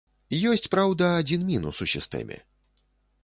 Ёсць, праўда, адзін мінус у сістэме.